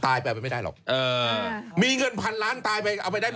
ไปเอาไปไม่ได้หรอกเออมีเงินพันล้านตายไปเอาไปได้ไหม